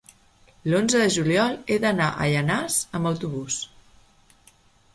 l'onze de juliol he d'anar a Llanars amb autobús.